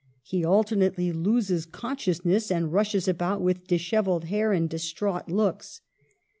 He alternately loses consciousness, and rushes about with dishevelled hair and distraught looks.